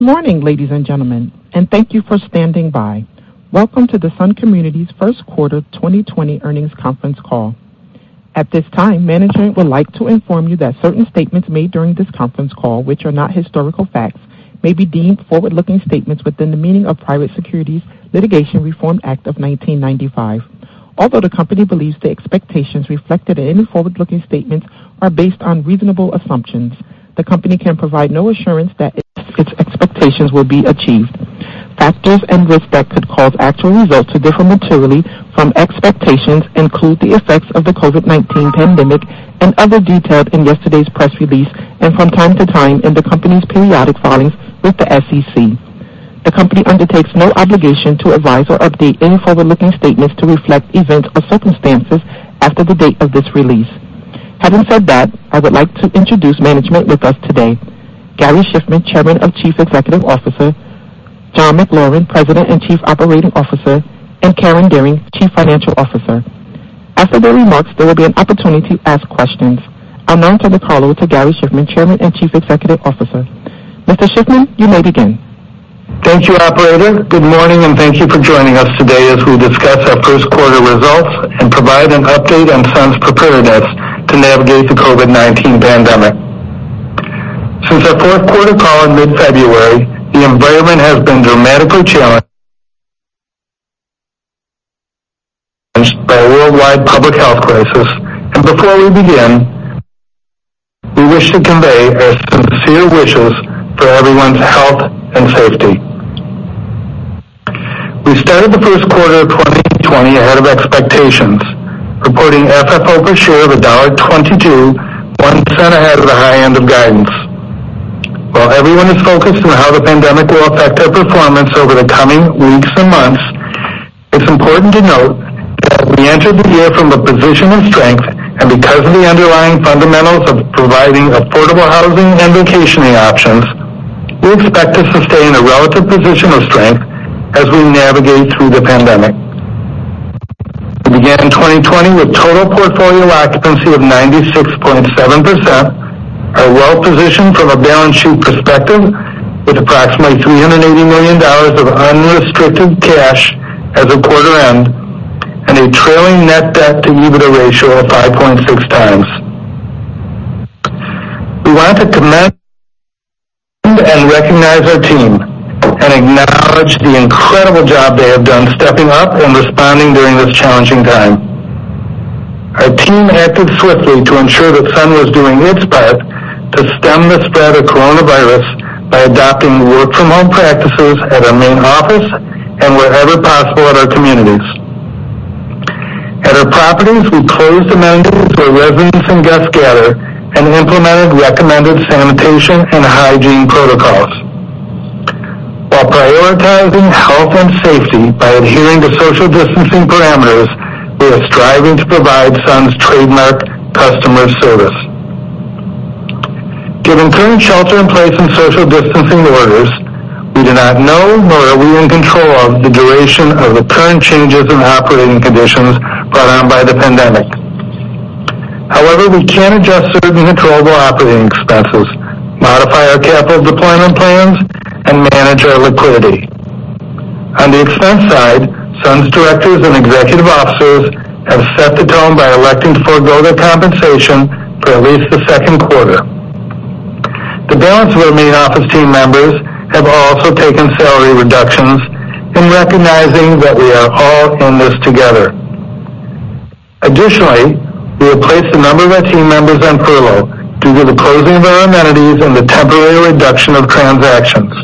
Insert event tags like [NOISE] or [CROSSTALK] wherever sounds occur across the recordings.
Good morning, ladies and gentlemen, and thank you for standing by. Welcome to the Sun Communities First Quarter 2020 Earnings Conference Call. At this time, management would like to inform you that certain statements made during this conference call, which are not historical facts, may be deemed forward-looking statements within the meaning of Private Securities Litigation Reform Act of 1995. Although the company believes the expectations reflected in any forward-looking statements are based on reasonable assumptions, the company can provide no assurance that its expectations will be achieved. Factors and risks that could cause actual results to differ materially from expectations include the effects of the COVID-19 pandemic and others detailed in yesterday's press release and from time to time in the company's periodic filings with the SEC. The company undertakes no obligation to revise or update any forward-looking statements to reflect events or circumstances after the date of this release. Having said that, I would like to introduce management with us today. Gary Shiffman, Chairman and Chief Executive Officer, John McLaren, President and Chief Operating Officer, and Karen Dearing, Chief Financial Officer. After their remarks, there will be an opportunity to ask questions. I'll now turn the call over to Gary Shiffman, Chairman and Chief Executive Officer. Mr. Shiffman, you may begin. Thank you, operator. Good morning, and thank you for joining us today as we discuss our first quarter results and provide an update on Sun's preparedness to navigate the COVID-19 pandemic. Since our fourth quarter call in mid-February, the environment has been dramatically challenged by a worldwide public health crisis, and before we begin, we wish to convey our sincere wishes for everyone's health and safety. We started the first quarter of 2020 ahead of expectations, reporting FFO per share of $1.22, 1% ahead of the high end of guidance. While everyone is focused on how the pandemic will affect their performance over the coming weeks and months, it's important to note that we entered the year from a position of strength, and because of the underlying fundamentals of providing affordable housing and vacationing options, we expect to sustain a relative position of strength as we navigate through the pandemic. We began 2020 with total portfolio occupancy of 96.7%, are well-positioned from a balance sheet perspective with approximately $380 million of unrestricted cash as of quarter end, and a trailing net debt to EBITDA ratio of 5.6 times. We want to commend and recognize our team and acknowledge the incredible job they have done stepping up and responding during this challenging time. Our team acted swiftly to ensure that Sun was doing its part to stem the spread of coronavirus by adopting work-from-home practices at our main office and wherever possible at our communities. At our properties, we closed amenities where residents and guests gather and implemented recommended sanitation and hygiene protocols. While prioritizing health and safety by adhering to social distancing parameters, we are striving to provide Sun's trademark customer service. Given current shelter-in-place and social distancing orders, we do not know, nor are we in control of the duration of the current changes in operating conditions brought on by the pandemic. We can adjust certain controllable operating expenses, modify our capital deployment plans, and manage our liquidity. On the expense side, Sun's directors and executive officers have set the tone by electing to forego their compensation for at least the second quarter. The balance of our main office team members have also taken salary reductions in recognizing that we are all in this together. Additionally, we have placed a number of our team members on furlough due to the closing of our amenities and the temporary reduction of transactions.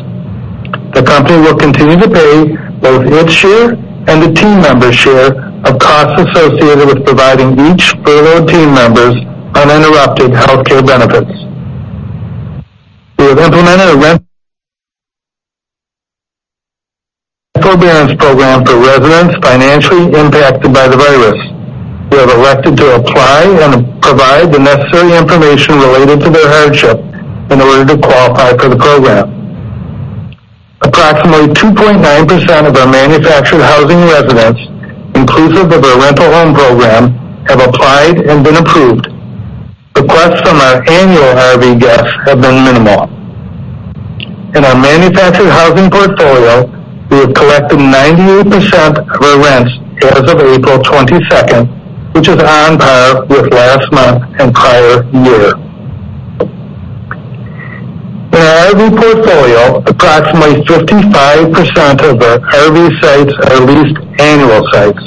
The company will continue to pay both its share and the team member's share of costs associated with providing each furloughed team member uninterrupted healthcare benefits. We have implemented a rent forbearance program for residents financially impacted by the virus, who have elected to apply and provide the necessary information related to their hardship in order to qualify for the program. Approximately 2.9% of our manufactured housing residents, inclusive of our rental home program, have applied and been approved. Requests from our annual RV guests have been minimal. In our manufactured housing portfolio, we have collected 98% of our rents as of April 22nd, which is on par with last month and prior year. In our RV portfolio, approximately 55% of our RV sites are leased annual sites.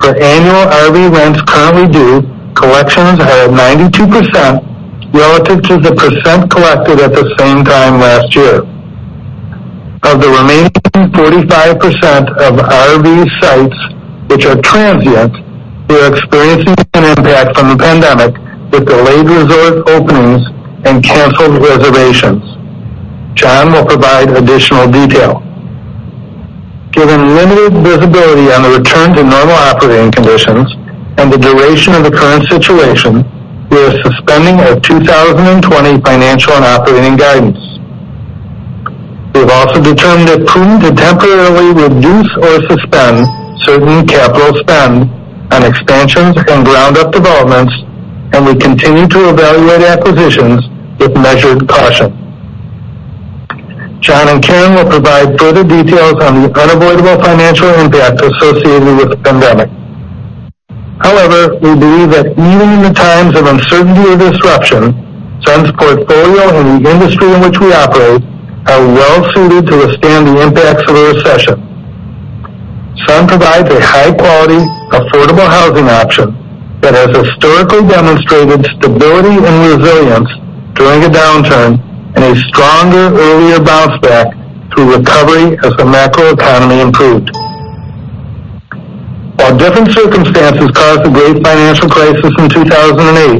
For annual RV rents currently due, collections are at 92% relative to the percent collected at the same time last year. Of the remaining 45% of RV sites which are transient, we are experiencing an impact from the pandemic with delayed resort openings and canceled reservations. John will provide additional detail. Given limited visibility on the return to normal operating conditions and the duration of the current situation, we are suspending our 2020 financial and operating guidance. We have also determined it prudent to temporarily reduce or suspend certain capital spend on expansions and ground-up developments, and we continue to evaluate acquisitions with measured caution. John and Karen will provide further details on the unavoidable financial impact associated with the pandemic. However, we believe that even in the times of uncertainty or disruption, Sun's portfolio and the industry in which we operate are well-suited to withstand the impacts of a recession. Sun provides a high-quality, affordable housing option that has historically demonstrated stability and resilience during a downturn, and a stronger, earlier bounce-back through recovery as the macroeconomy improved. While different circumstances caused the great financial crisis in 2008,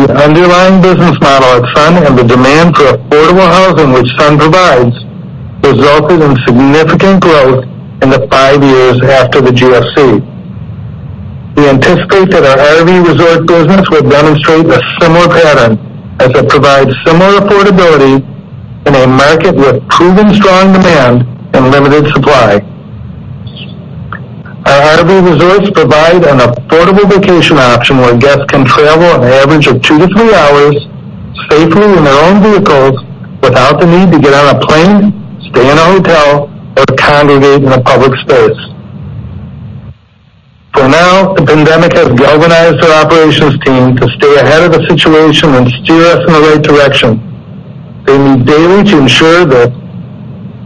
the underlying business model at Sun and the demand for affordable housing, which Sun provides, resulted in significant growth in the five years after the GFC. We anticipate that our RV resort business will demonstrate a similar pattern, as it provides similar affordability in a market with proven strong demand and limited supply. Our RV resorts provide an affordable vacation option where guests can travel an average of 2-3 hours safely in their own vehicles without the need to get on a plane, stay in a hotel, or congregate in a public space. For now, the pandemic has galvanized our operations team to stay ahead of the situation and steer us in the right direction. They meet daily to ensure that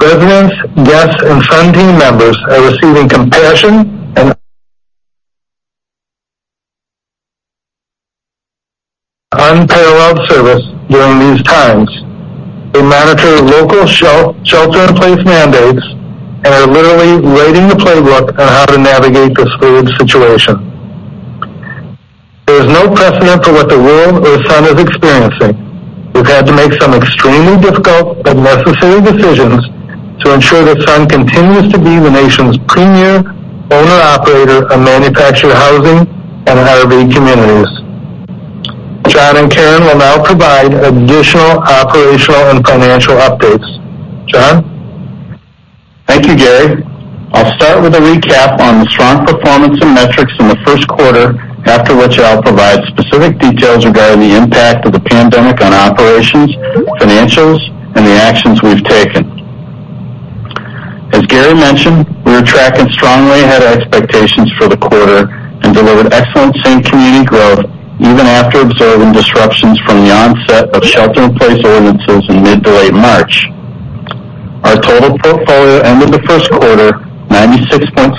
residents, guests, and Sun team members are receiving compassion and unparalleled service during these times. They monitor local shelter-in-place mandates and are literally writing the playbook on how to navigate this fluid situation. There is no precedent for what the world or Sun is experiencing. We've had to make some extremely difficult but necessary decisions to ensure that Sun continues to be the nation's premier owner/operator of manufactured housing and RV communities. John and Karen will now provide additional operational and financial updates. John? Thank you, Gary. I'll start with a recap on the strong performance and metrics in the first quarter, after which I'll provide specific details regarding the impact of the pandemic on operations, financials, and the actions we've taken. As Gary mentioned, we were tracking strongly ahead of expectations for the quarter and delivered excellent same-community growth even after observing disruptions from the onset of shelter-in-place ordinances in mid to late March. Our total portfolio ended the first quarter 96.7%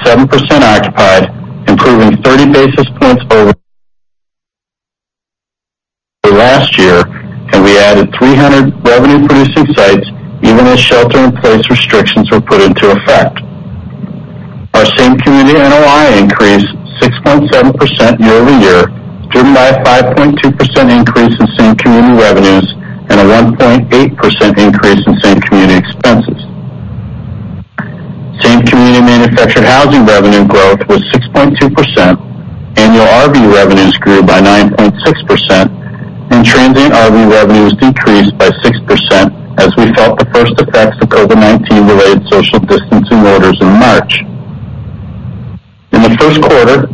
occupied, improving 30 basis points over last year, and we added 300 revenue-producing sites even as shelter-in-place restrictions were put into effect. Our same community NOI increased 6.7% year-over-year, driven by a 5.2% increase in same-community revenues and a 1.8% increase in same-community expenses. Same-community manufactured housing revenue growth was 6.2%, annual RV revenues grew by 9.6%, and transient RV revenues decreased by 6% as we felt the first effects of COVID-19-related social distancing orders in March. In the first quarter,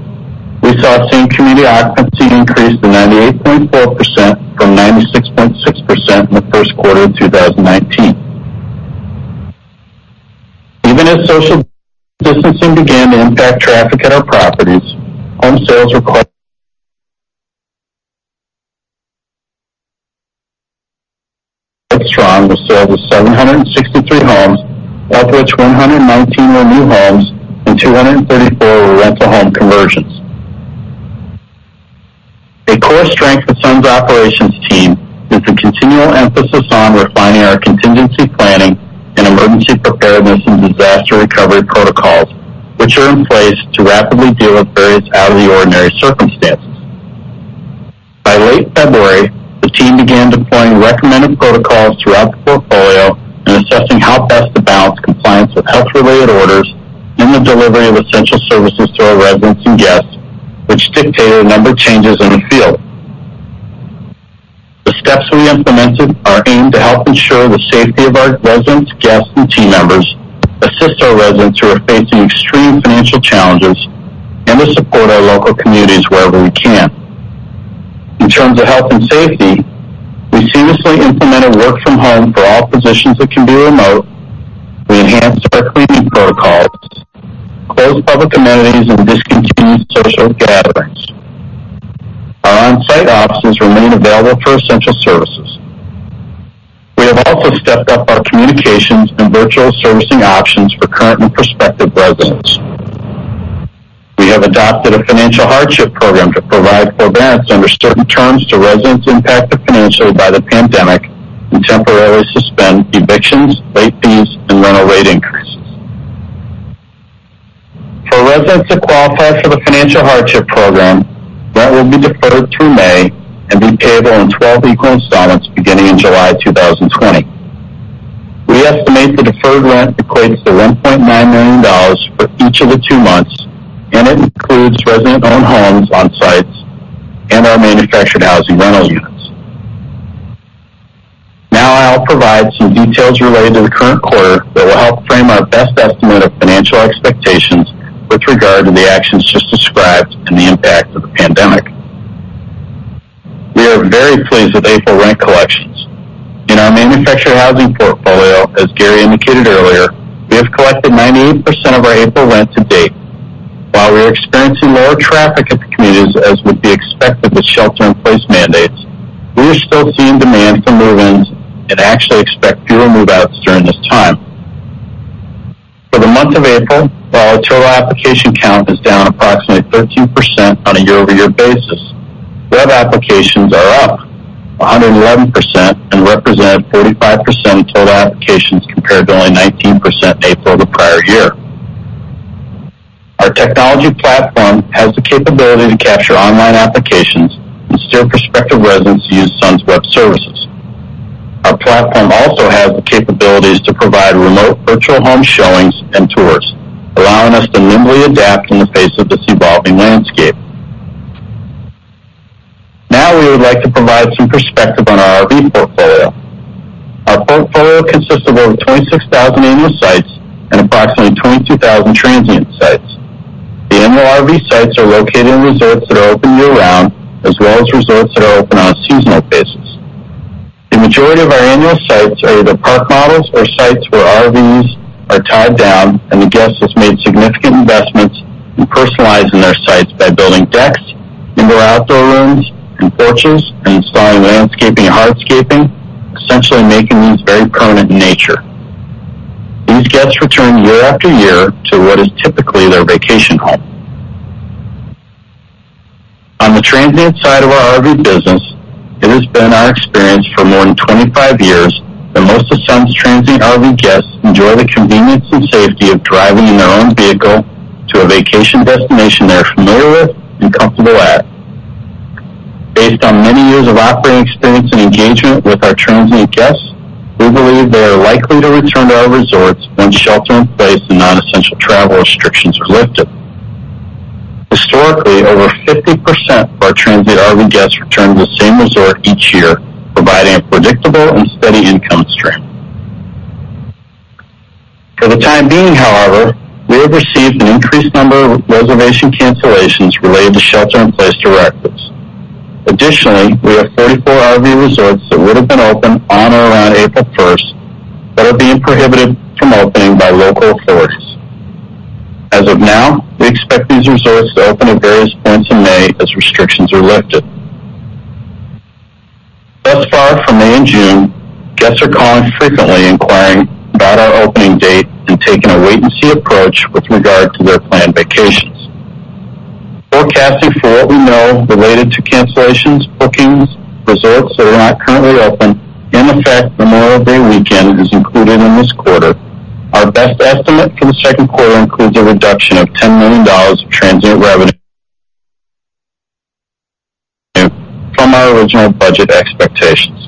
we saw same-community occupancy increase to 98.4% from 96.6% in the first quarter of 2019. Even as social distancing began to impact traffic at our properties, home sales remained strong with sales of 763 homes, of which 119 were new homes and 234 were rent-to-home conversions. A core strength of Sun's operations team is the continual emphasis on refining our contingency planning and emergency preparedness and disaster recovery protocols, which are in place to rapidly deal with various out-of-the-ordinary circumstances. By late February, the team began deploying recommended protocols throughout the portfolio and assessing how best to balance compliance with health-related orders and the delivery of essential services to our residents and guests, which dictated a number of changes in the field. The steps we implemented are aimed to help ensure the safety of our residents, guests, and team members, assist our residents who are facing extreme financial challenges, and to support our local communities wherever we can. In terms of health and safety, we seamlessly implemented work from home for all positions that can be remote. We enhanced our cleaning protocols, closed public amenities, and discontinued social gatherings. Our on-site offices remain available for essential services. We have also stepped up our communications and virtual servicing options for current and prospective residents. We have adopted a financial hardship program to provide forbearance under certain terms to residents impacted financially by the pandemic and temporarily suspend evictions, late fees, and rental rate increases. For residents that qualify for the financial hardship program, rent will be deferred through May and be payable in 12 equal installments beginning in July 2020. We estimate the deferred rent equates to $1.9 million for each of the two months, and it includes resident-owned homes on sites and our manufactured housing rental units. Now I'll provide some details related to the current quarter that will help frame our best estimate of financial expectations with regard to the actions just described and the impact of the pandemic. We are very pleased with April rent collections. In our manufactured housing portfolio, as Gary indicated earlier, we have collected 98% of our April rent to date. While we are experiencing lower traffic at the communities as would be expected with shelter-in-place mandates, we are still seeing demand for move-ins and actually expect fewer move-outs during this time. For the month of April, while our total application count is down approximately 13% on a year-over-year basis, web applications are up 111% and represent 45% of total applications compared to only 19% in April the prior year. Our technology platform has the capability to capture online applications and steer prospective residents to use Sun's web services. Our platform also has the capabilities to provide remote virtual home showings and tours, allowing us to nimbly adapt in the face of this evolving landscape. Now, we would like to provide some perspective on our RV portfolio. Our portfolio consists of over 26,000 annual sites and approximately 22,000 transient sites. The annual RV sites are located in resorts that are open year-round, as well as resorts that are open on a seasonal basis. The majority of our annual sites are either park models or sites where RVs are tied down and the guest has made significant investments in personalizing their sites by building decks, indoor/outdoor rooms, and porches, and installing landscaping and hardscaping, essentially making these very permanent in nature. These guests return year after year to what is typically their vacation home. On the transient side of our RV business, it has been our experience for more than 25 years that most of Sun's transient RV guests enjoy the convenience and safety of driving in their own vehicle to a vacation destination they are familiar with and comfortable at. Based on many years of operating experience and engagement with our transient guests, we believe they are likely to return to our resorts when shelter-in-place and non-essential travel restrictions are lifted. Historically, over 50% of our transient RV guests return to the same resort each year, providing a predictable and steady income stream. For the time being, however, we have received an increased number of reservation cancellations related to shelter-in-place directives. Additionally, we have 44 RV resorts that would have been open on or around April 1st that are being prohibited from opening by local authorities. As of now, we expect these resorts to open at various points in May as restrictions are lifted. Thus far, for May and June, guests are calling frequently inquiring about our opening date and taking a wait-and-see approach with regard to their planned vacations. Forecasting for what we know related to cancellations, bookings, resorts that are not currently open, and the fact Memorial Day weekend is included in this quarter, our best estimate for the second quarter includes a reduction of $10 million of transient revenue from our original budget expectations.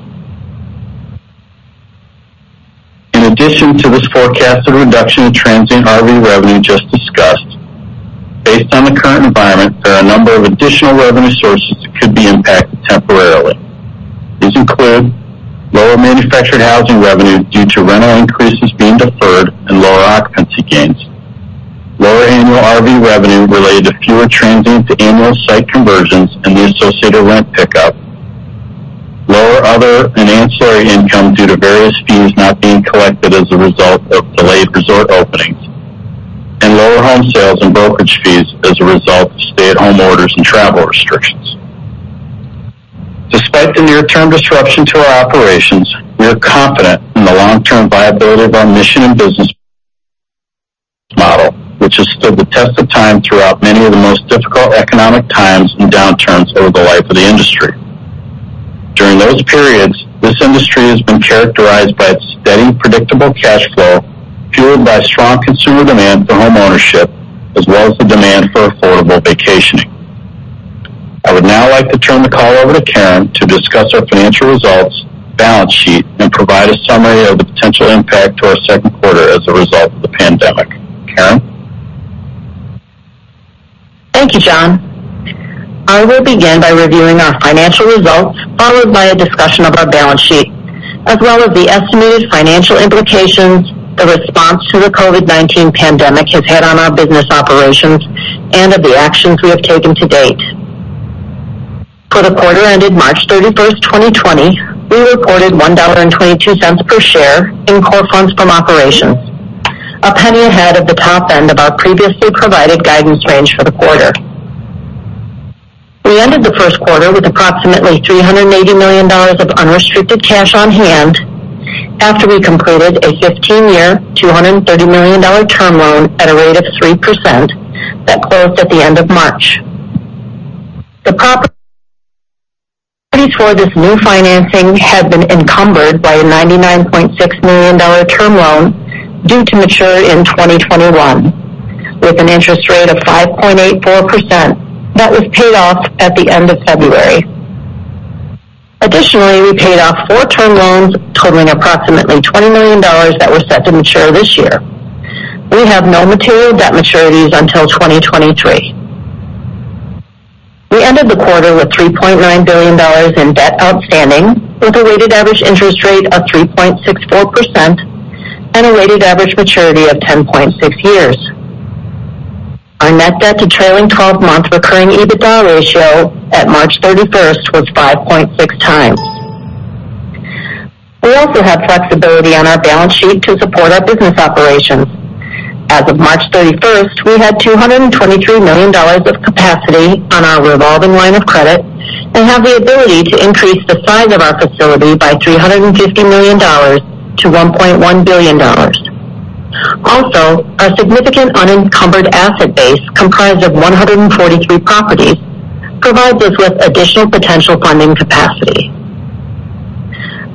In addition to this forecasted reduction of transient RV revenue just discussed, based on the current environment, there are a number of additional revenue sources that could be impacted temporarily. These include lower manufactured housing revenue due to rental increases being deferred and lower occupancy gains, lower annual RV revenue related to fewer transient-to-annual site conversions and the associated rent pickup, lower other and ancillary income due to various fees not being collected as a result of delayed resort openings, and lower home sales and brokerage fees as a result of stay-at-home orders and travel restrictions. Despite the near-term disruption to our operations, we are confident in the long-term viability of our mission and business model, which has stood the test of time throughout many of the most difficult economic times and downturns over the life of the industry. During those periods, this industry has been characterized by its steady, predictable cash flow, fueled by strong consumer demand for home ownership as well as the demand for affordable vacationing. I would now like to turn the call over to Karen to discuss our financial results, balance sheet, and provide a summary of the potential impact to our second quarter as a result of the pandemic. Karen? Thank you, John. I will begin by reviewing our financial results, followed by a discussion of our balance sheet, as well as the estimated financial implications the response to the COVID-19 pandemic has had on our business operations and of the actions we have taken to date. For the quarter ended March 31st, 2020, we reported $1.22 per share in core funds from operations, $0.01 ahead of the top end of our previously provided guidance range for the quarter. We ended the first quarter with approximately $380 million of unrestricted cash on hand after we completed a 15-year, $230 million term loan at a rate of 3% that closed at the end of March. The properties for this new financing had been encumbered by a $99.6 million term loan due to mature in 2021, with an interest rate of 5.84%. That was paid off at the end of February. Additionally, we paid off four term loans totaling approximately $20 million that were set to mature this year. We have no material debt maturities until 2023. We ended the quarter with $3.9 billion in debt outstanding, with a weighted average interest rate of 3.64% and a weighted average maturity of 10.6 years. Our net debt to trailing 12-month recurring EBITDA ratio at March 31st was 5.6 times. We also have flexibility on our balance sheet to support our business operations. As of March 31st, we had $223 million of capacity on our revolving line of credit and have the ability to increase the size of our facility by $350 million-$1.1 billion. Also, our significant unencumbered asset base, comprised of 143 properties, provides us with additional potential funding capacity.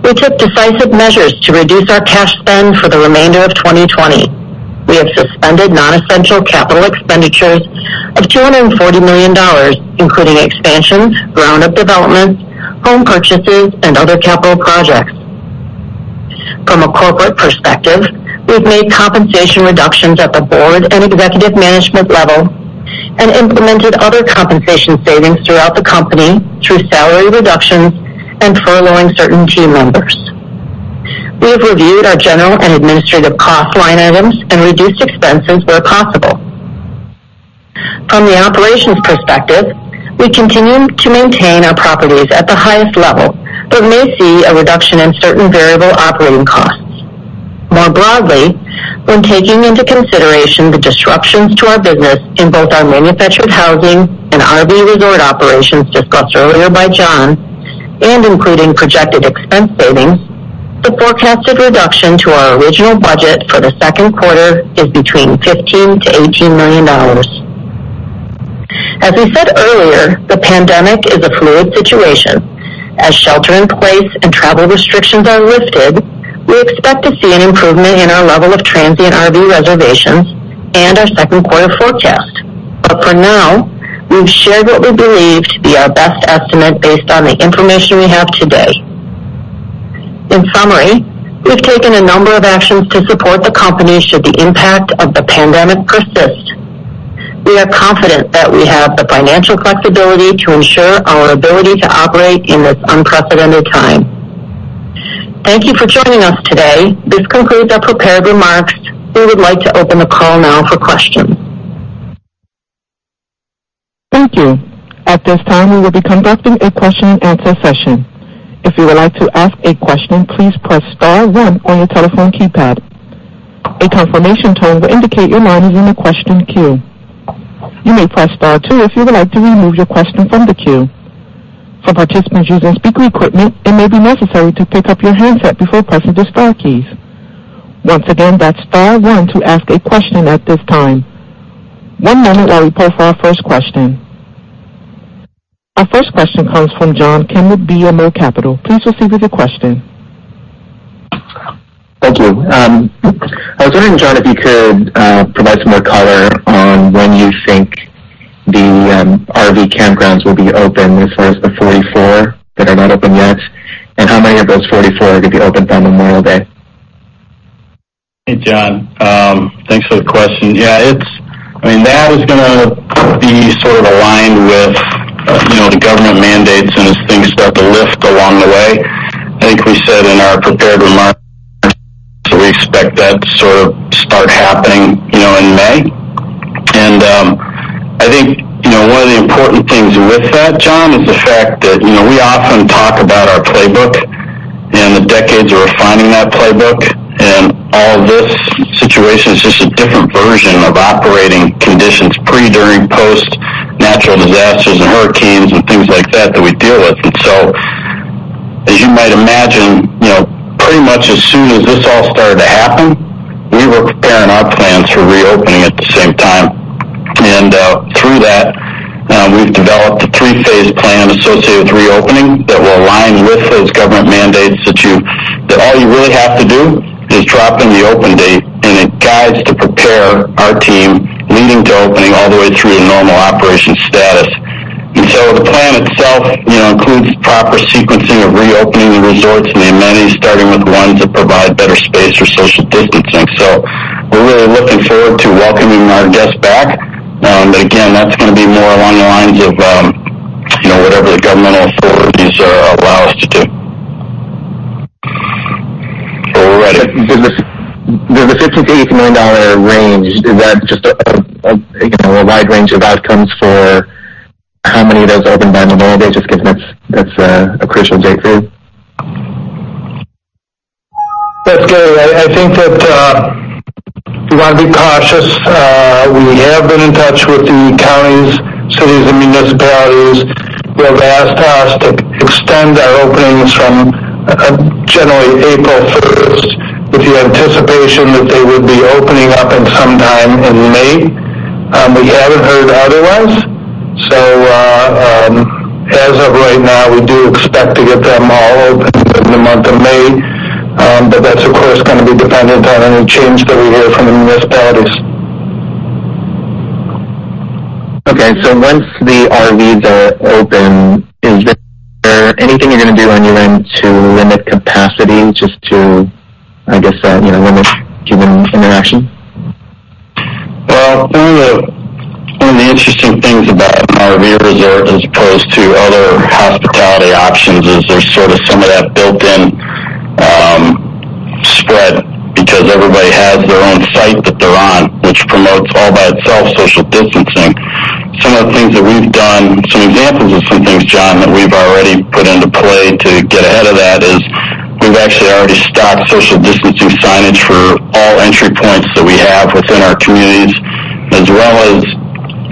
We took decisive measures to reduce our cash spend for the remainder of 2020. We have suspended non-essential capital expenditures of $240 million, including expansions, ground-up developments, home purchases, and other capital projects. From a corporate perspective, we've made compensation reductions at the board and executive management level and implemented other compensation savings throughout the company through salary reductions and furloughing certain team members. We have reviewed our general and administrative cost line items and reduced expenses where possible. From the operations perspective, we continue to maintain our properties at the highest level but may see a reduction in certain variable operating costs. More broadly, when taking into consideration the disruptions to our business in both our manufactured housing and RV resort operations discussed earlier by John, and including projected expense savings, the forecasted reduction to our original budget for the second quarter is between $15 million-$18 million. As we said earlier, the pandemic is a fluid situation. As shelter in place and travel restrictions are lifted, we expect to see an improvement in our level of transient RV reservations and our second quarter forecast. For now, we've shared what we believe to be our best estimate based on the information we have today. In summary, we've taken a number of actions to support the company should the impact of the pandemic persist. We are confident that we have the financial flexibility to ensure our ability to operate in this unprecedented time. Thank you for joining us today. This concludes our prepared remarks. We would like to open the call now for questions. Thank you. At this time, we will be conducting a question and answer session. If you would like to ask a question, please press star one on your telephone keypad. A confirmation tone will indicate your line is in the question queue. You may press star two if you would like to remove your question from the queue. For participants using speaker equipment, it may be necessary to pick up your handset before pressing the star keys. Once again, that's star one to ask a question at this time. One moment while we poll for our first question. Our first question comes from John Kim with BMO Capital Markets. Please proceed with your question. Thank you. I was wondering, John, if you could provide some more color on when you think the RV campgrounds will be open as far as the 44 that are not open yet, and how many of those 44 are going to be open by Memorial Day? Hey, John. Thanks for the question. Yeah, that is going to be sort of aligned with the government mandates and as things start to lift along the way. I think we said in our prepared remarks, we expect that to sort of start happening in May. I think one of the important things with that, John, is the fact that we often talk about our playbook and the decades of refining that playbook, and all this situation is just a different version of operating conditions pre, during, post natural disasters and hurricanes and things like that that we deal with. As you might imagine, pretty much as soon as this all started to happen, we were preparing our plans for reopening at the same time. Through that, we've developed a three-phase plan associated with reopening that will align with those government mandates that all you really have to do is drop in the open date, and it guides to prepare our team leading to opening all the way through to normal operation status. The plan itself includes proper sequencing of reopening the resorts and the amenities, starting with ones that provide better space for social distancing. We're really looking forward to welcoming our guests back. Again, that's going to be more along the lines of whatever the governmental authorities allow us to do. With the $58 million range, is that just a wide range of outcomes for how many of those open by Memorial Day, just given that's a crucial date for you? That's good. I think that we want to be cautious. We have been in touch with the counties, cities, and municipalities, who have asked us to extend our openings from generally April 1st with the anticipation that they would be opening up at some time in May. We haven't heard otherwise. As of right now, we do expect to get them all open within the month of May, but that's of course going to be dependent on any change that we hear from the municipalities. Okay, once the RVs are open, is there anything you're going to do on your end to limit capacity just to, I guess, limit human interaction? Well, one of the interesting things about an RV resort as opposed to other hospitality options is there's sort of some of that built-in spread because everybody has their own site that they're on, which promotes, all by itself, social distancing. Some of the things that we've done, some examples of some things, John, that we've already put into play to get ahead of that is we've actually already stocked social distancing signage for all entry points that we have within our communities, as well as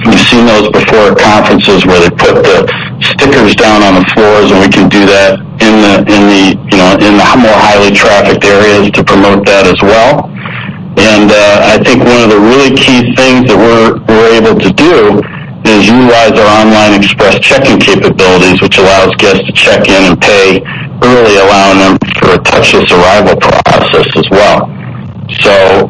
we've seen those before at conferences where they put the stickers down on the floors, and we can do that in the more highly trafficked areas to promote that as well. I think one of the really key things that we're able to do is utilize our online express check-in capabilities, which allows guests to check in and pay early, allowing them for a touchless arrival process as well. There's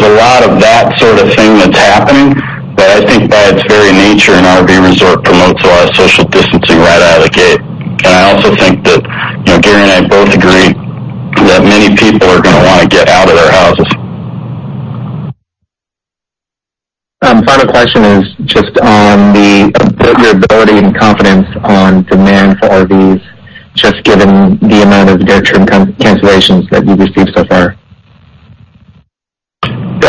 a lot of that sort of thing that's happening, but I think by its very nature, an RV resort promotes a lot of social distancing right out of the gate. I also think that Gary and I both agree that many people are going to want to get out of their houses. Part of the question is just on your ability and confidence on demand for RVs, just given the amount of near-term cancellations that you've received so far.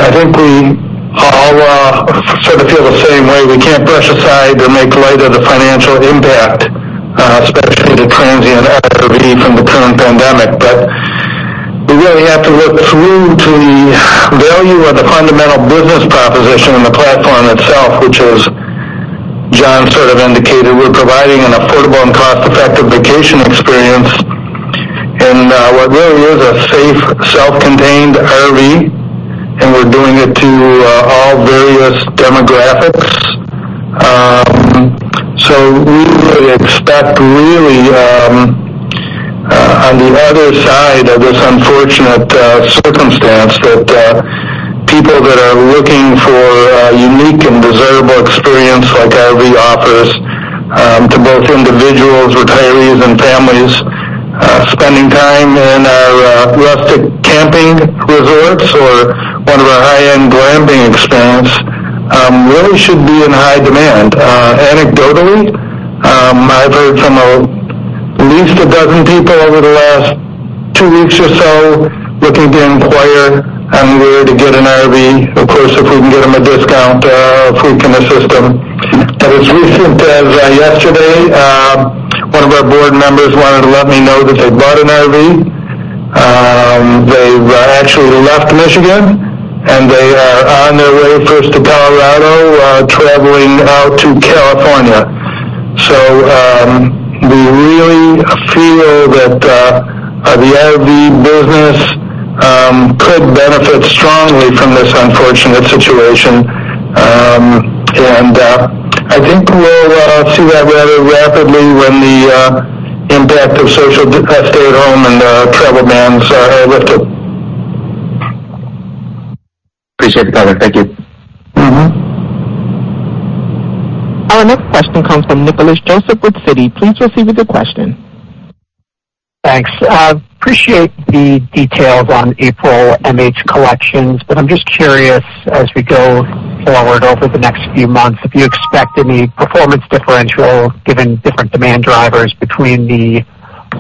I think we all sort of feel the same way. We can't brush aside or make light of the financial impact, especially to transient RV from the current pandemic. We really have to look through to the value of the fundamental business proposition and the platform itself, which as John sort of indicated, we're providing an affordable and cost-effective vacation experience in what really is a safe, self-contained RV, and we're doing it to all various demographics. We would expect really, on the other side of this unfortunate circumstance, that people that are looking for a unique and desirable experience like RV offers to both individuals, retirees, and families spending time in our rustic camping resorts or one of our high-end glamping experience, really should be in high demand. Anecdotally, I've heard from at least a dozen people over the last two weeks or so looking to inquire on where to get an RV. Of course, if we can get them a discount, if we can assist them. As recent as yesterday, one of our board members wanted to let me know that they bought an RV. They've actually left Michigan, and they are on their way first to Colorado, traveling out to California. We really feel that the RV business could benefit strongly from this unfortunate situation. I think we'll see that rather rapidly when the impact of stay-at-home and travel bans are lifted. Appreciate the comment. Thank you. Our next question comes from Nicholas Joseph with Citi. Please proceed with your question. Thanks. I appreciate the details on April MH collections but I'm just curious, as we go forward over the next few months, if you expect any performance differential given different demand drivers between the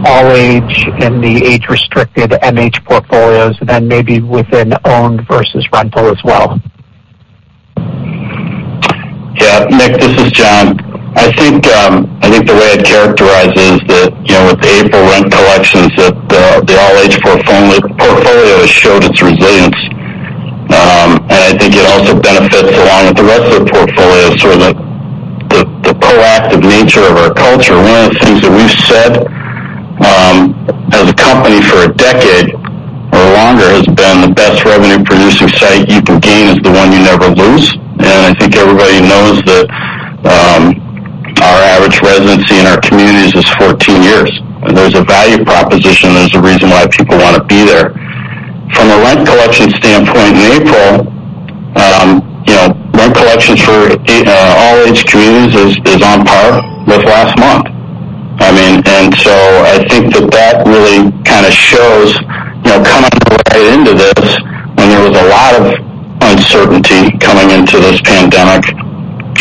all-age and the age-restricted MH portfolios and then maybe within owned versus rental as well? Yeah. Nick, this is John. I think the way I'd characterize is that with the April rent collections that the all-age portfolio showed its resilience. I think it also benefits along with the rest of the portfolio, sort of the proactive nature of our culture. One of the things that we've said as a company for a decade or longer has been the best revenue producing site you can gain is the one you never lose. I think everybody knows that our average residency in our communities is 14 years, and there's a value proposition. There's a reason why people want to be there. From a rent collection standpoint in April, rent collections for all age communities is on par with last month. I think that that really kind of shows, coming right into this when there was a lot of uncertainty coming into this pandemic,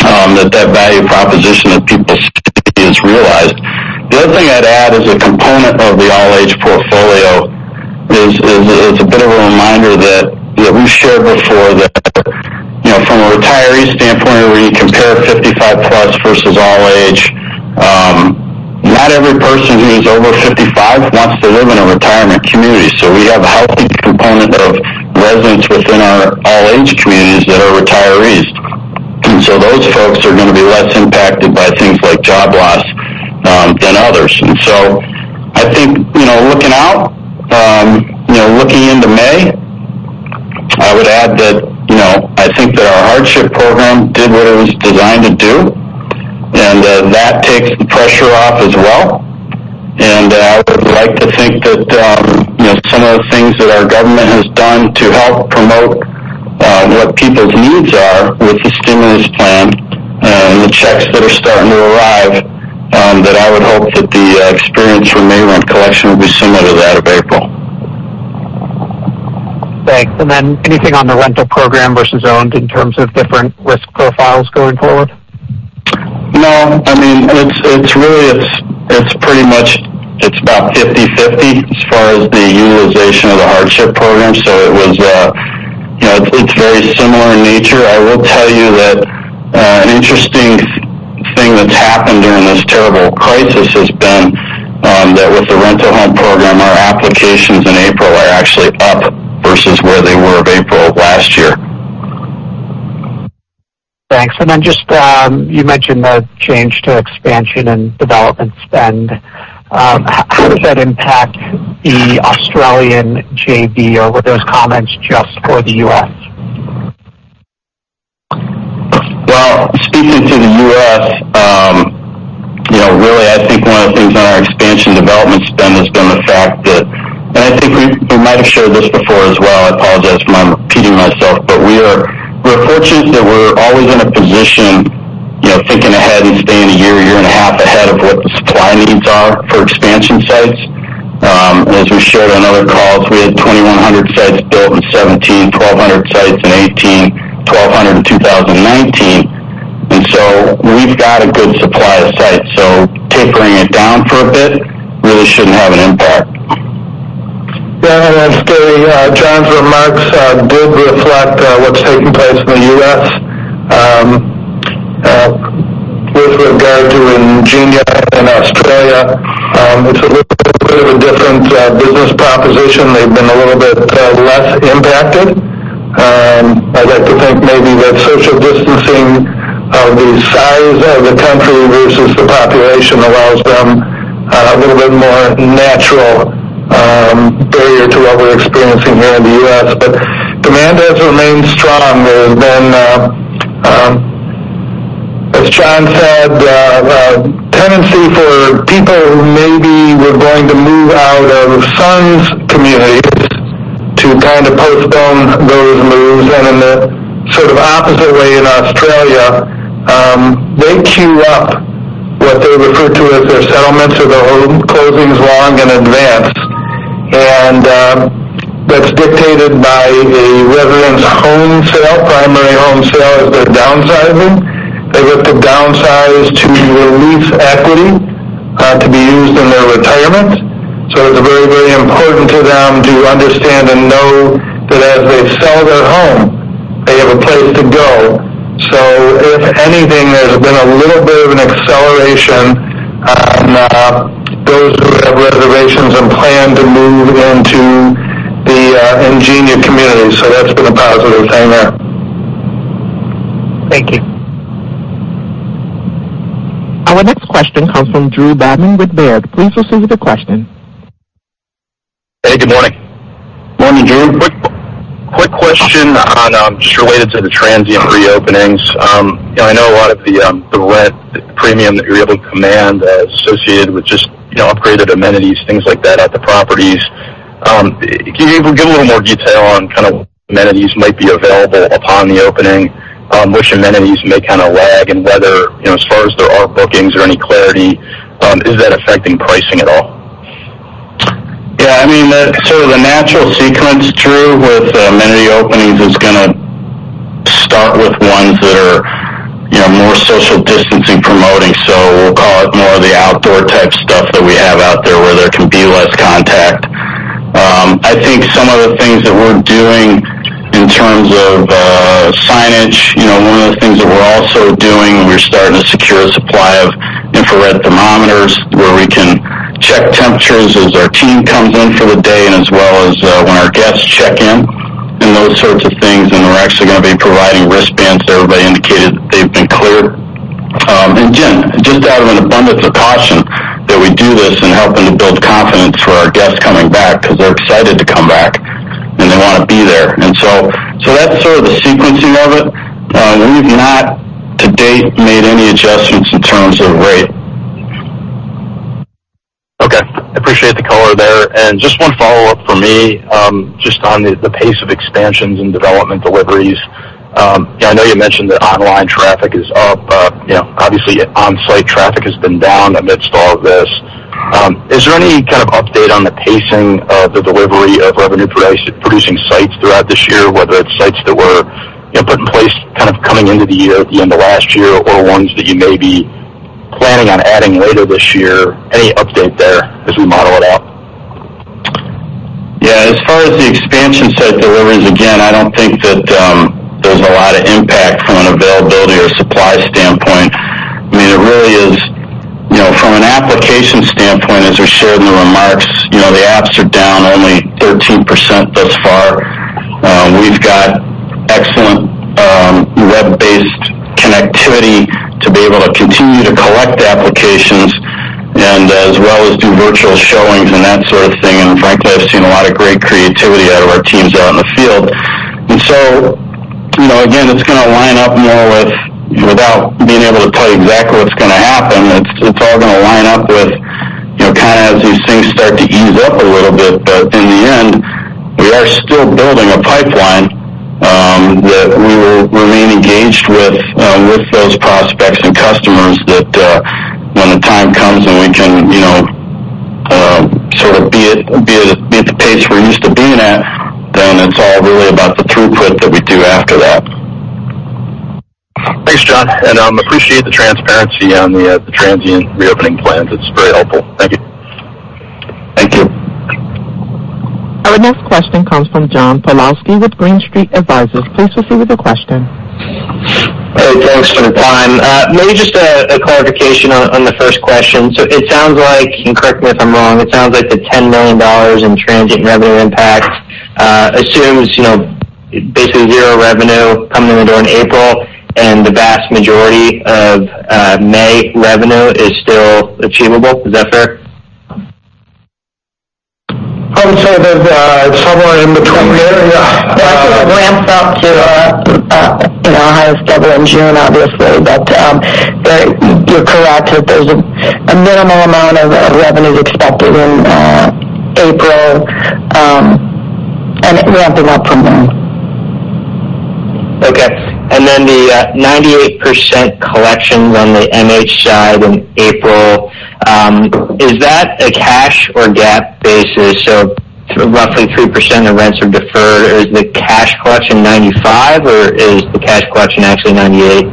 that that value proposition that people see is realized. The other thing I'd add as a component of the all-age portfolio is a bit of a reminder that we shared before that from a retiree standpoint, where you compare 55 plus versus all age, not every person who is over 55 wants to live in a retirement community. We have a healthy component of residents within our all-age communities that are retirees. Those folks are going to be less impacted by things like job loss than others. I think looking out, looking into May, I would add that I think that our hardship program did what it was designed to do, and that takes the pressure off as well. I would like to think that some of the things that our government has done to help promote what people's needs are with the stimulus plan and the checks that are starting to arrive, that I would hope that the experience for May rent collection will be similar to that of April. Thanks. Anything on the rental program versus owned in terms of different risk profiles going forward? No, it's pretty much about 50/50 as far as the utilization of the hardship program. It's very similar in nature. I will tell you that an interesting thing that's happened during this terrible crisis has been that with the rental home program, our applications in April are actually up versus where they were of April last year. Thanks. Just, you mentioned the change to expansion and development spend. How does that impact the Australian JV, or were those comments just for the U.S.? Well, speaking to the U.S., really, I think one of the things on our expansion development spend has been the fact that. I think we might've shared this before as well. I apologize if I'm repeating myself, but we're fortunate that we're always in a position, thinking ahead and staying a year and a half ahead of what the supply needs are for expansion sites. As we shared on other calls, we had 2,100 sites built in 2017, 1,200 sites in 2018, 1,200 in 2019. We've got a good supply of sites. Tinkering it down for a bit really shouldn't have an impact. Yeah, as to John's remarks, did reflect what's taking place in the U.S. With regard to Ingenia in Australia, it's a little bit of a different business proposition. They've been a little bit less impacted. I'd like to think maybe that social distancing, the size of the country versus the population allows them a little bit more natural barrier to what we're experiencing here in the U.S. Demand has remained strong. There's been, as John said, a tendency for people who maybe were going to move out of Sun Communities to kind of postpone those moves. In the sort of opposite way in Australia, they queue up what they refer to as their settlements or their home closings long in advance. That's dictated by a resident's home sale, primary home sale, as they're downsizing. They look to downsize to release equity to be used in their retirement. It's very, very important to them to understand and know that as they sell their home, they have a place to go. If anything, there's been a little bit of an acceleration, those who have reservations and plan to move into the Ingenia community. That's been a positive thing there. Thank you. Our next question comes from Drew Babin with Baird. Please proceed with the question. Hey, good morning. Morning, Drew. Quick question just related to the transient reopenings. I know a lot of the rent premium that you're able to command associated with just upgraded amenities, things like that at the properties. Can you give a little more detail on kind of what amenities might be available upon the opening? Which amenities may kind of lag, and whether, as far as there are bookings or any clarity, is that affecting pricing at all? Yeah, the natural sequence, Drew, with amenity openings is going to start with ones that are more social distancing promoting. We'll call it more of the outdoor type stuff that we have out there where there can be less contact. I think some of the things that we're doing in terms of signage, one of the things that we're also doing, we're starting to secure a supply of infrared thermometers where we can check temperatures as our team comes in for the day and as well as when our guests check in, and those sorts of things. We're actually going to be providing wristbands to everybody indicated that they've been cleared. Again, just out of an abundance of caution that we do this and helping to build confidence for our guests coming back because they're excited to come back, and they want to be there. That's sort of the sequencing of it. We've not to date made any adjustments in terms of rate. Okay. Appreciate the color there. Just one follow-up from me, just on the pace of expansions and development deliveries. I know you mentioned that online traffic is up. Obviously, on-site traffic has been down amidst all of this. Is there any kind of update on the pacing of the delivery of revenue-producing sites throughout this year, whether it's sites that were put in place kind of coming into the year at the end of last year, or ones that you may be planning on adding later this year? Any update there as we model it out? Yeah. As far as the expansion site deliveries, again, I don't think that there's a lot of impact from an availability or supply standpoint. It really is, from an application standpoint, as we shared in the remarks, the apps are down only 13% thus far. We've got excellent web-based connectivity to be able to continue to collect applications and as well as do virtual showings and that sort of thing. Frankly, I've seen a lot of great creativity out of our teams out in the field. Again, it's going to line up more with, without being able to tell you exactly what's going to happen, it's all going to line up with as these things start to ease up a little bit, but in the end, we are still building a pipeline that we will remain engaged with those prospects and customers that when the time comes and we can sort of be at the pace we're used to being at, it's all really about the throughput that we do after that. Thanks, John, and appreciate the transparency on the transient reopening plans. It's very helpful. Thank you. Thank you. Our next question comes from John Pawlowski with Green Street Advisors. Please proceed with the question. Hey, thanks for the time. Maybe just a clarification on the first question. It sounds like, and correct me if I'm wrong, it sounds like the $10 million in transient revenue impact assumes basically zero revenue coming in during April, and the vast majority of May revenue is still achievable. Is that fair? I would say there's somewhere in between there. [CROSSTALK] It ramps up to our highest level in June, obviously. You're correct. There's a minimal amount of revenues expected in April, and it ramping up from there. Okay. The 98% collections on the MH side in April, is that a cash or GAAP basis? Roughly 3% of rents are deferred. Is the cash collection 95 or is the cash collection actually 98?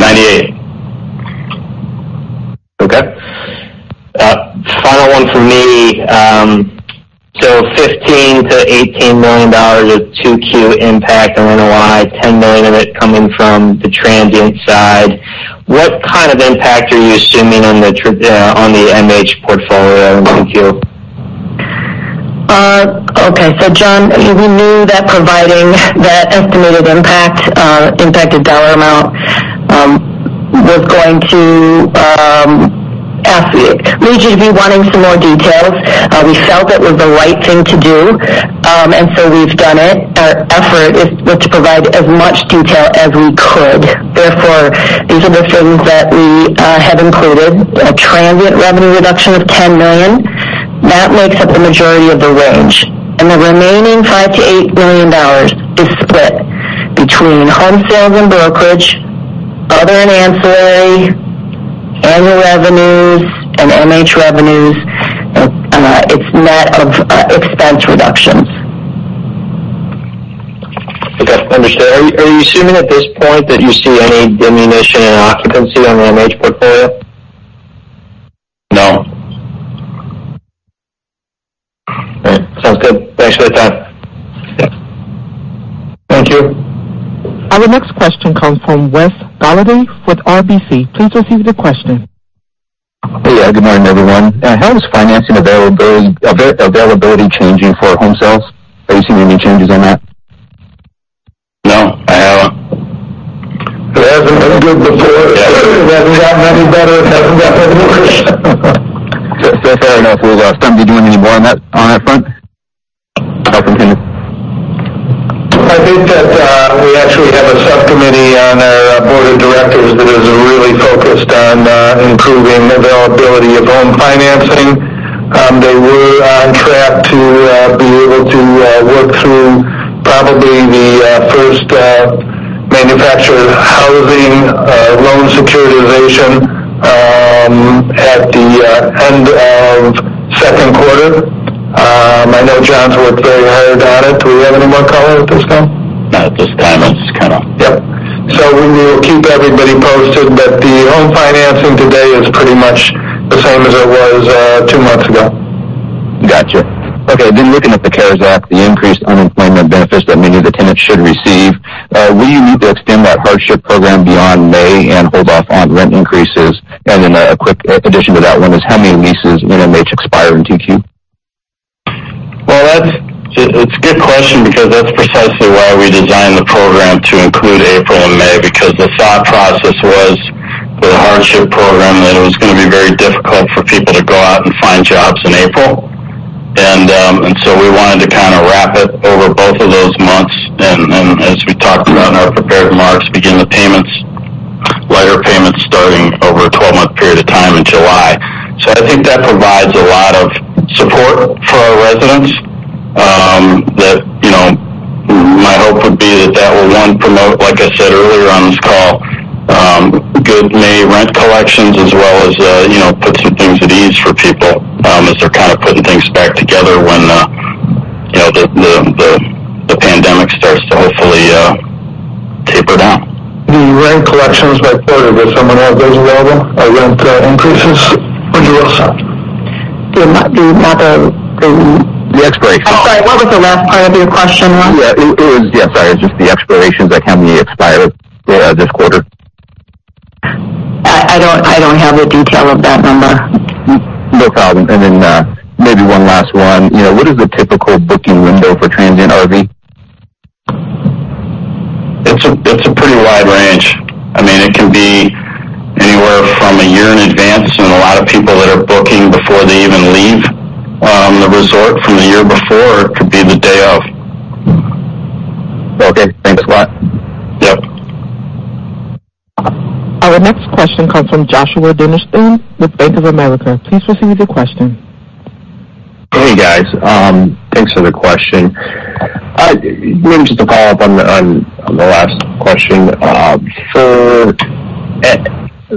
98. Okay. Final one from me. $15 million-$18 million of 2Q impact on NOI, $10 million of it coming from the transient side. What kind of impact are you assuming on the MH portfolio in 2Q? Okay. John, we knew that providing that estimated impact, impacted dollar amount, was going to lead you to be wanting some more details. We felt it was the right thing to do. So we've done it. Our effort is to provide as much detail as we could. Therefore, these are the things that we have included. A transient revenue reduction of $10 million. That makes up the majority of the range. The remaining $5 million-$8 million is split between home sales and brokerage, other and ancillary annual revenues, and MH revenues. It's net of expense reductions. Okay. Understood. Are you assuming at this point that you see any diminution in occupancy on the MH portfolio? No. All right. Sounds good. Thanks for the time. Yeah. Thank you. Our next question comes from Wes Golladay with RBC. Please proceed with your question. Hey. Good morning, everyone. How is financing availability changing for home sales? Are you seeing any changes on that? No, I haven't. It hasn't been good before. It hasn't gotten any better. It hasn't gotten any worse. Fair to say there's not going to be doing any more on that front? I think that we actually have a subcommittee on our board of directors that is really focused on improving availability of home financing. They were on track to be able to work through probably the first manufactured housing loan securitization at the end of second quarter. I know John's worked very hard on it. Do we have any more color at this, John? Not at this time. [INAUDIBLE] Yep. We will keep everybody posted, but the home financing today is pretty much the same as it was two months ago. Got you. Okay. Looking at the CARES Act, the increased unemployment benefits that many of the tenants should receive, will you need to extend that hardship program beyond May and hold off on rent increases? A quick addition to that one is how many leases in MH expire in 2Q? Well, it's a good question because that's precisely why we designed the program to include April and May, because the thought process was the hardship program, that it was going to be very difficult for people to go out and find jobs in April. We wanted to kind of wrap it over both of those months, and as we talked about in our prepared remarks, begin the lighter payments starting over a 12-month period of time in July. I think that provides a lot of support for our residents. My hope would be that that will, one, promote, like I said earlier on this call, good May rent collections as well as put some things at ease for people as they're kind of putting things back together when the pandemic starts to hopefully taper down. The rent collection is by quarter. Does someone have those available? Rent increases? [INAUDIBLE] Do you want- The expirations. I'm sorry, what was the last part of your question, Wes? Yeah. It was, yeah, sorry, it's just the expirations. Like how many expired this quarter? I don't have the detail of that number. No problem. Maybe one last one. What is the typical booking window for transient RV? It's a pretty wide range. It can be anywhere from a year in advance, and a lot of people that are booking before they even leave the resort from the year before, could be the day of. Okay, thanks a lot. Yep. Our next question comes from Joshua Dennerlein with Bank of America. Please proceed with your question. Hey, guys. Thanks for the question. Just to follow up on the last question. For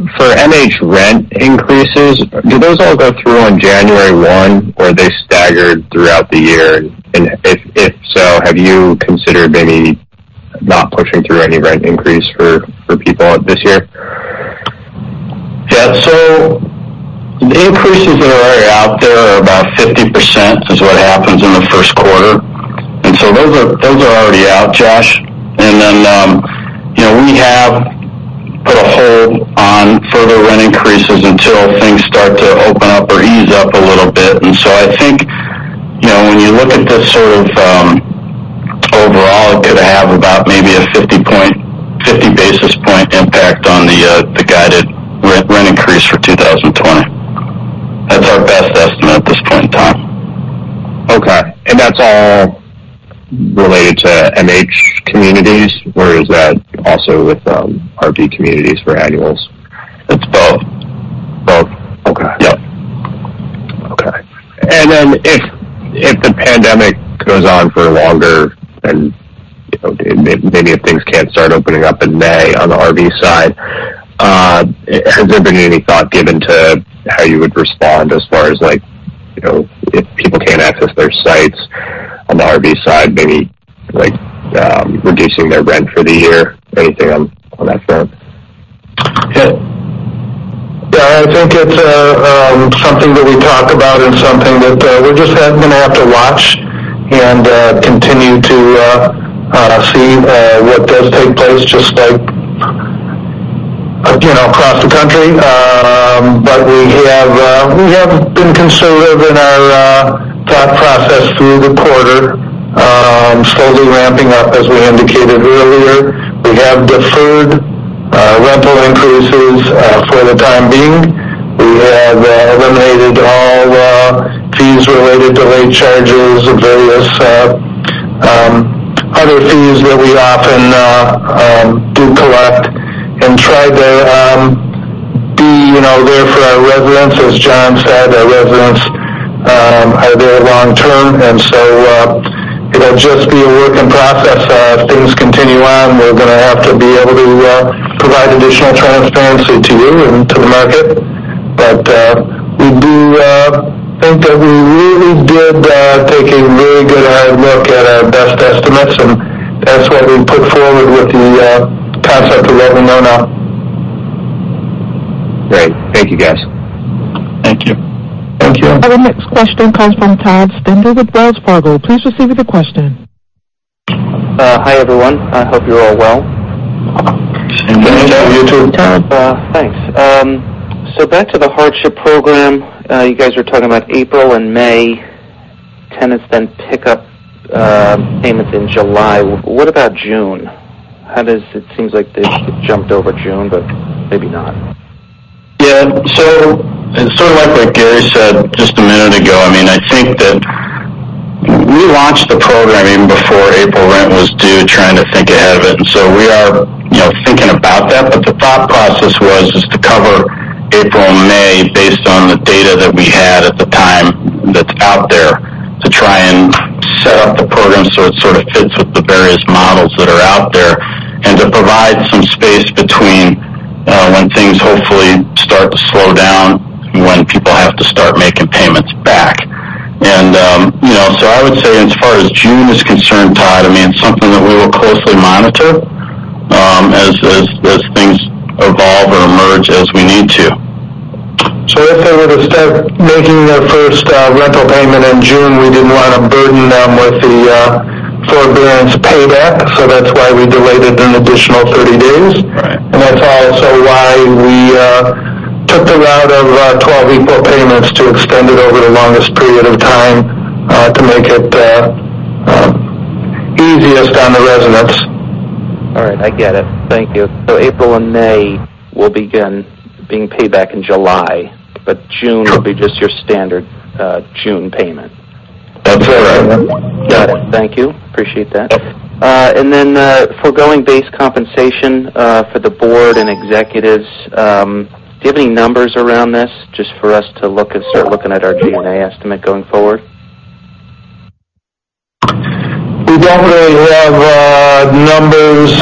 MH rent increases, do those all go through on January 1, or are they staggered throughout the year? If so, have you considered maybe not pushing through any rent increase for people this year? Yeah. The increases that are already out there are about 50%, is what happens in the first quarter. Those are already out, Josh. We have put a hold on further rent increases until things start to open up or ease up a little bit. I think, when you look at this sort of overall, it'll have about maybe a 50 basis point impact on the guided rent increase for 2020. That's our best estimate at this point in time. Okay, that's all related to MH communities, or is that also with RV communities for annuals? It's both. Both. Okay. Yep. Okay. If the pandemic goes on for longer and maybe if things can't start opening up in May on the RV side, has there been any thought given to how you would respond as far as if people can't access their sites on the RV side, maybe reducing their rent for the year? Anything on that front? Yeah, I think it's something that we talk about and something that we're just going to have to watch and continue to see what does take place, just like across the country. We have been conservative in our thought process through the quarter, slowly ramping up, as we indicated earlier. We have deferred rental increases for the time being. We have eliminated all fees related to late charges and various other fees that we often do collect, and tried to be there for our residents. As John said, our residents are there long-term. It'll just be a work in process. If things continue on, we're going to have to be able to provide additional transparency to you and to the market. We do think that we really did take a really good hard look at our best estimates, and that's what we put forward with the concept of letting them know. Great. Thank you, guys. Thank you. Thank you. Our next question comes from Todd Stender with Wells Fargo. Please proceed with your question. Hi, everyone. I hope you're all well. Same to you too, Todd. Thanks. Back to the hardship program. You guys are talking about April and May tenants then pick up payments in July. What about June? It seems like they jumped over June, but maybe not. Yeah. It's sort of like what Gary said just a minute ago. I think that we launched the program even before April rent was due, trying to think ahead of it. We are thinking about that, but the thought process was just to cover April and May based on the data that we had at the time that's out there to try and set up the program so it sort of fits with the various models that are out there, and to provide some space between when things hopefully start to slow down and when people have to start making payments back. I would say, as far as June is concerned, Todd, it's something that we will closely monitor as things evolve or emerge as we need to. If they were to start making their first rental payment in June, we didn't want to burden them with the forbearance payback. That's why we delayed it an additional 30 days. Right. That's also why we took the route of 12 equal payments to extend it over the longest period of time to make it easiest on the residents. All right, I get it. Thank you. April and May will begin being paid back in July- Sure. -but June will be just your standard June payment? That's correct. Got it. Thank you. Appreciate that. Yep. Foregoing base compensation for the board and executives. Do you have any numbers around this, just for us to start looking at our G&A estimate going forward? We don't really have numbers.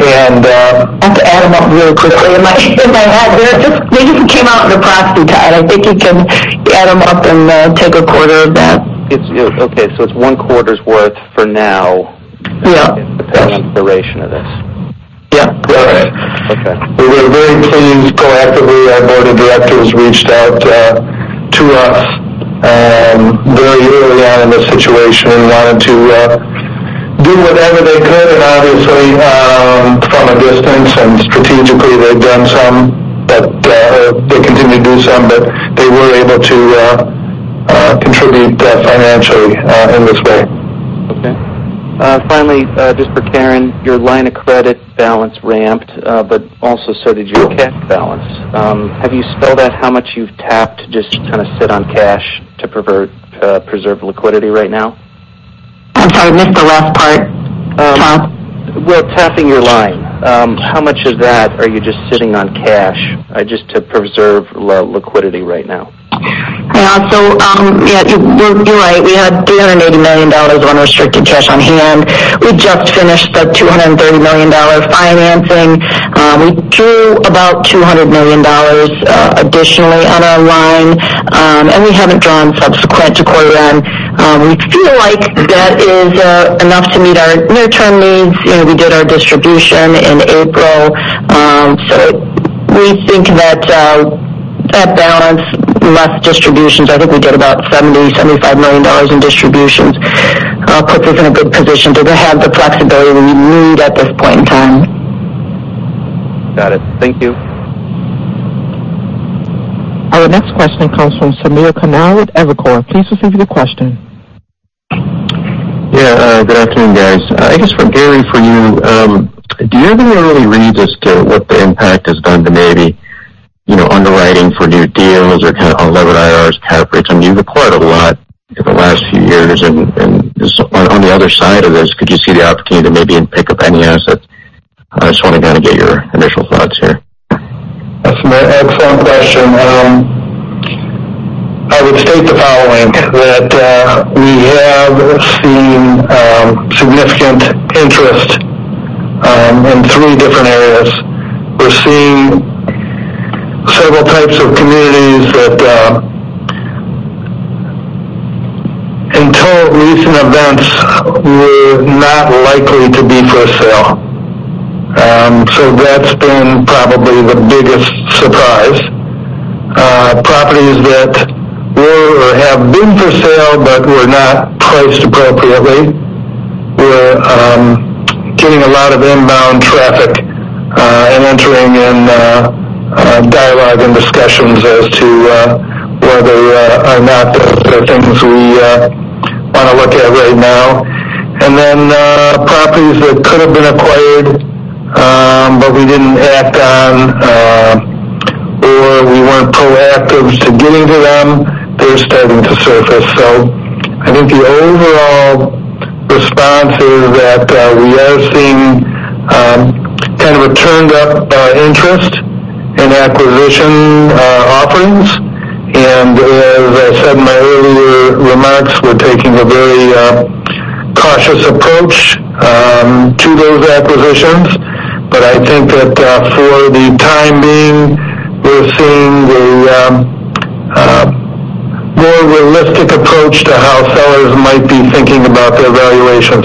I'd have to add them up really quickly in my head here. They just came out in a proxy, Todd. I think you can add them up and take a quarter of that. Okay, it's one quarter's worth for now. Yeah. Depending on the duration of this. Yeah, correct. Okay. We were very pleased proactively. Our board of directors reached out to us very early on in this situation and wanted to do whatever they could. Obviously, from a distance and strategically, they've done some, but they continue to do some, but they were able to contribute financially in this way. Okay. Just for Karen, your line of credit balance ramped but also so did your cash balance. Have you spelled out how much you've tapped to just kind of sit on cash to preserve liquidity right now? I'm sorry, I missed the last part, Todd. Well, tapping your line. How much of that are you just sitting on cash just to preserve liquidity right now? Yeah. You're right. We had $380 million of unrestricted cash on hand. We just finished a $230 million financing. We drew about $200 million additionally on our line, and we haven't drawn subsequent to quarter end. We feel like that is enough to meet our near-term needs. We did our distribution in April. We think that that balance less distributions, I think we did about $70 million-$75 million in distributions, puts us in a good position to have the flexibility we need at this point in time. Got it. Thank you. Our next question comes from Samir Khanal with Evercore. Please proceed with your question. Yeah. Good afternoon, guys. I guess for Gary, for you, do you have any early read as to what the impact has done to maybe underwriting for new deals or kind of unlevered IRRs, cap rates? I mean, you've acquired a lot over the last few years, and on the other side of this, could you see the opportunity to maybe pick up any assets? I just want to kind of get your initial thoughts here. That's an excellent question. I would state the following, that we have seen significant interest in three different areas. We're seeing several types of communities that, until recent events, were not likely to be for sale. That's been probably the biggest surprise. Properties that were or have been for sale but were not priced appropriately. We're getting a lot of inbound traffic, and entering in dialogue and discussions as to whether or not those are things we want to look at right now. Properties that could have been acquired, but we didn't act on, or we weren't proactive to getting to them, they're starting to surface. I think the overall response is that we are seeing kind of a turned up interest in acquisition offerings. As I said in my earlier remarks, we're taking a very cautious approach to those acquisitions. I think that for the time being, we're seeing a more realistic approach to how sellers might be thinking about their valuations.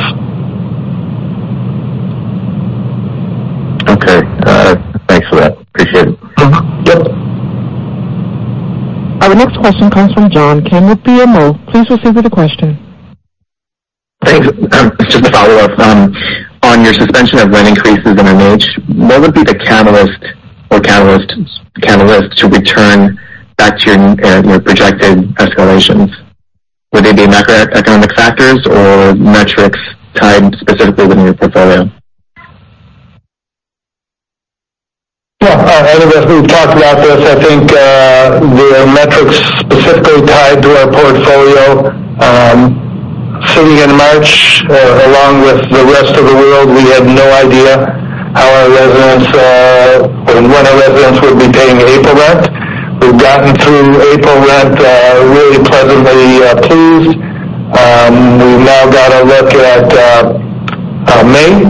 Okay. All right. Thanks for that. Appreciate it. Mm-hmm. Yep. Our next question comes from John Kim with BMO. Please proceed with the question. Thanks. Just a follow-up. On your suspension of rent increases in MH, what would be the catalyst or catalysts to return back to your projected escalations? Would they be macroeconomic factors or metrics tied specifically within your portfolio? Yeah. I think we've talked about this. I think the metrics specifically tied to our portfolio. Sitting in March, along with the rest of the world, we had no idea how our residents or when our residents would be paying April rent. We've gotten through April rent really pleasantly pleased. We've now got a look at May.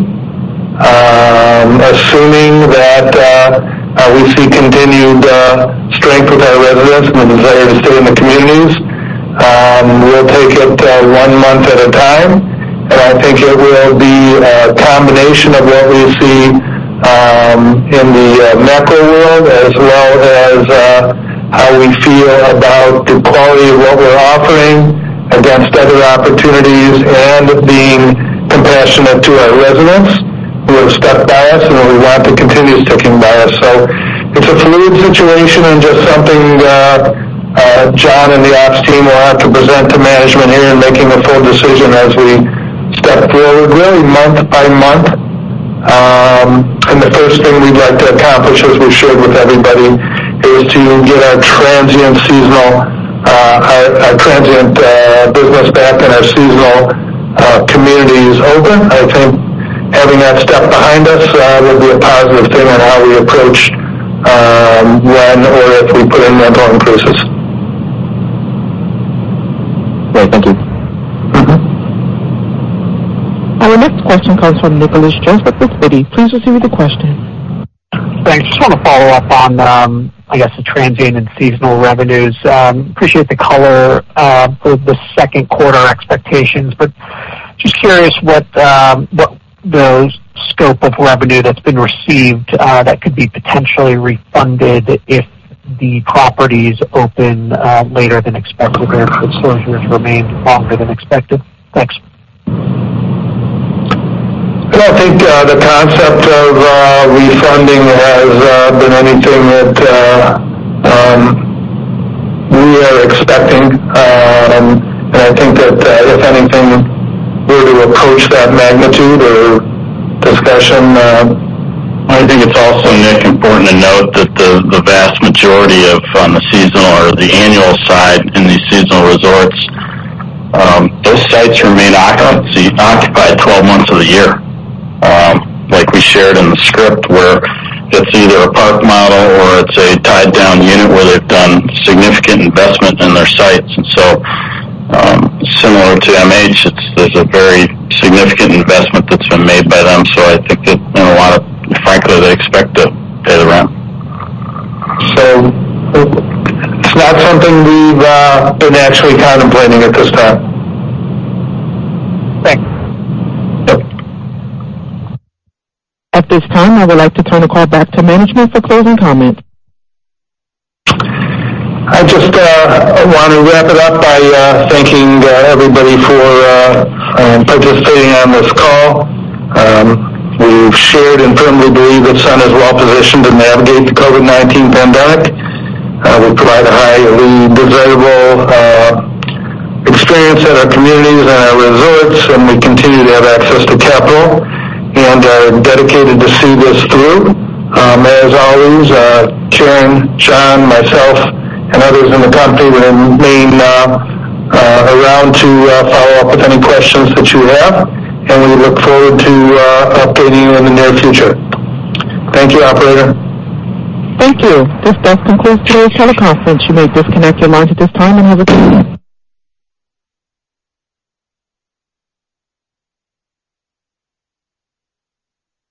Assuming that we see continued strength with our residents and the desire to stay in the communities, we'll take it one month at a time. I think it will be a combination of what we see in the macro world, as well as how we feel about the quality of what we're offering against other opportunities and being compassionate to our residents who have stuck by us and who we want to continue sticking by us. It's a fluid situation and just something that John and the ops team will have to present to management here in making a full decision as we step forward, really month by month. The first thing we'd like to accomplish, as we've shared with everybody, is to get our transient business back and our seasonal communities open. I think having that step behind us will be a positive thing on how we approach when or if we put in rent increases. Great. Thank you. Our next question comes from Nicholas Joseph with Citi. Please proceed with the question. Thanks. Just want to follow up on, I guess, the transient and seasonal revenues. Appreciate the color for the second quarter expectations, but just curious what the scope of revenue that's been received that could be potentially refunded if the properties open later than expected or if the closures remain longer than expected. Thanks. I don't think the concept of refunding has been anything that we are expecting. I think that if anything were to approach that magnitude or discussion. I think it's also, Nick, important to note that the vast majority of on the seasonal or the annual side in these seasonal resorts, those sites remain occupied 12 months of the year. Like we shared in the script, where it's either a park model or it's a tied-down unit where they've done significant investment in their sites. Similar to MH, there's a very significant investment that's been made by them. I think that in a lot of frankly, they expect to pay the rent. It's not something we've been actually contemplating at this time. Thanks. Yep. At this time, I would like to turn the call back to management for closing comments. I just want to wrap it up by thanking everybody for participating on this call. We've shared and firmly believe that Sun is well-positioned to navigate the COVID-19 pandemic. We provide a highly desirable experience at our communities and our resorts, and we continue to have access to capital and are dedicated to see this through. As always, Karen, John, myself, and others in the company remain around to follow up with any questions that you have, and we look forward to updating you in the near future. Thank you, operator. Thank you. This does conclude today's teleconference. You may disconnect your lines at this time and have a good night.